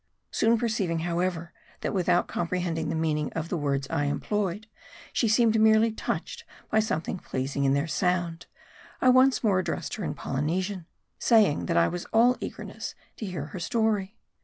Soon perceiving, however, that with out comprehending the meaning of the words I employed, she seemed merely touched by something pleasing in their sound, I once more addressed her in Polynesian ; saying that I was all eagerness to hear her history.